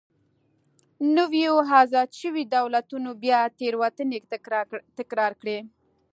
نویو ازاد شویو دولتونو بیا تېروتنې تکرار کړې.